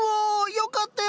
よかったよ